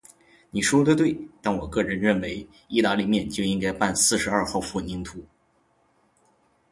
你说得对，但我个人认为，意大利面就应该拌四十二号混凝土。